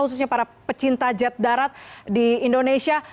khususnya para pecinta jet darat di indonesia